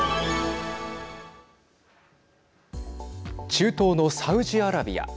中東のサウジアラビア。